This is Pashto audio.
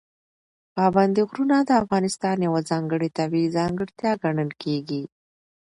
پابندي غرونه د افغانستان یوه ځانګړې طبیعي ځانګړتیا ګڼل کېږي.